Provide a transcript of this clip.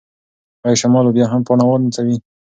ایا شمال به بیا هم پاڼه ونڅوي؟